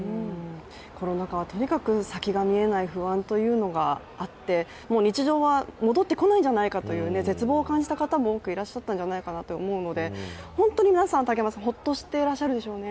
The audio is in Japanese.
コロナ禍はとにかく先が見えない不安というものがあってもう日常は戻ってこないんじゃないだろうかと絶望を感じた方もいらっしゃると思うので本当に皆さん、ホッとしていらっしゃるでしょうね。